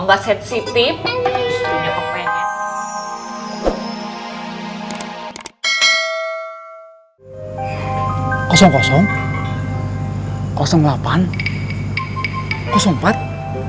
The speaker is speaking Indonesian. aku emang gak sensitif